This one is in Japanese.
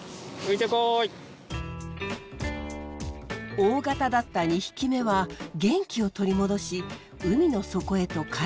大型だった２匹目は元気を取り戻し海の底へと帰っていきました。